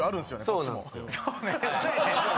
こっちも。